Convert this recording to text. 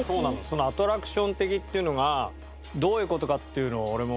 そのアトラクション的っていうのがどういう事かっていうのを俺も。